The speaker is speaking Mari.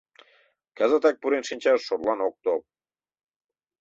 Кызытак пурен шинчаш шотлан ок тол.